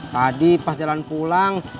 tadi pas jalan pulang